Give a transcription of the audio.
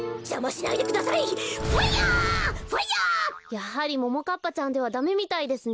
やはりももかっぱちゃんではダメみたいですね。